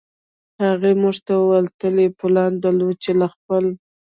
هغې موږ ته وویل تل یې پلان درلود چې له خپل